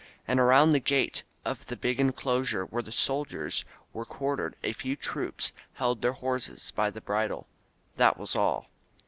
And around the gate of the big enclosure where the soldiers were quartered a few troopers held their horses by the bridle. That was all.